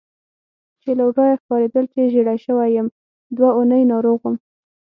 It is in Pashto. چې له ورایه ښکارېدل چې ژېړی شوی یم، دوه اونۍ ناروغ وم.